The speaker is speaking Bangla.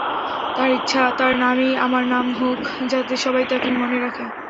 তঁার ইচ্ছা, তঁার নামেই আমার নাম হোক, যাতে সবাই তঁাকে মনে রাখে।